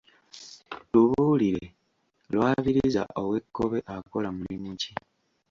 Tubuulire Lwabiriza ow'Ekkobe akola mulimu ki?